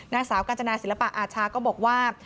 นางสาวกาญจนาศิลปะอาชาก็บอกว่า